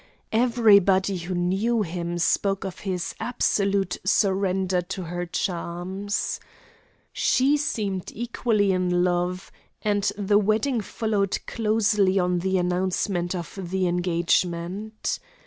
Everybody who knew him spoke of his absolute surrender to her charms. She seemed equally in love, and the wedding followed closely on the announcement of the engagement.